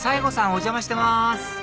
お邪魔してます